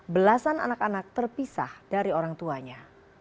belasan anak anak terpisah dari orang tuanya